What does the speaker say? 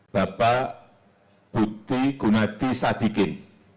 bapak bukti gunati sadikin